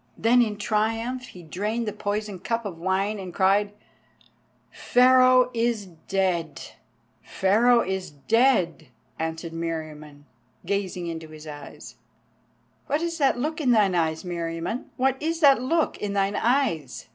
Then in triumph he drained the poisoned cup of wine, and cried, "Pharaoh is dead!" "Pharaoh is dead!" answered Meriamun, gazing into his eyes. "What is that look in thine eyes, Meriamun, what is that look in thine eyes?"